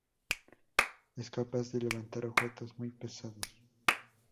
Es capaz de levantar objetos muy pesados.